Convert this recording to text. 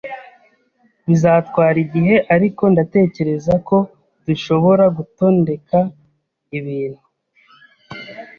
Bizatwara igihe, ariko ndatekereza ko dushobora gutondeka ibintu.